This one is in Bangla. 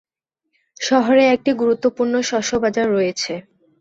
শহরে একটি গুরুত্বপূর্ণ শস্য বাজার রয়েছে।